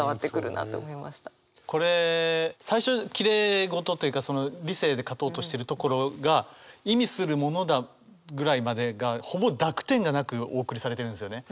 これ最初きれい事というか理性で勝とうとしてるところが「意味するものだ」ぐらいまでがほぼ濁点がなくお送りされてるんですよね。